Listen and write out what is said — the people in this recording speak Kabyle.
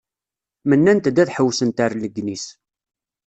Mennant-d ad ḥewwsent ar Legniz.